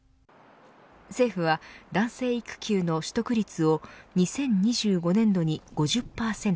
政府は、男性育休の取得率を２０２５年度に５０％